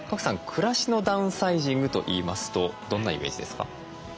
暮らしのダウンサイジングといいますとどんなイメージですか？